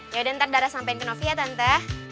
yaudah ntar darah sampein ke novi ya tante